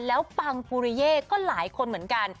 แล้วปังปุริเย่ก็หลายคนเหมือนกัน